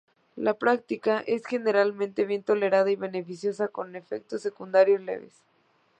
La práctica es generalmente bien tolerada y beneficiosa, con efectos secundarios leves.